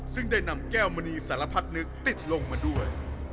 ซึ่งได้นำแก้วมณีสารพัดนึกติดลงมาด้วย